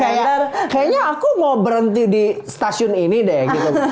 kayaknya aku mau berhenti di stasiun ini deh gitu